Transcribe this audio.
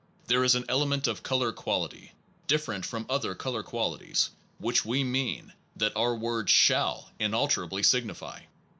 there is an element of color quality, different from other color qualities, which we mean that our word shall inalterably signify.